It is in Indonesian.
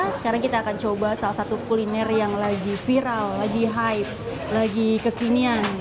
sekarang kita akan coba salah satu kuliner yang lagi viral lagi hype lagi kekinian